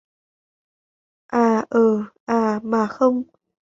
À ờ à mà không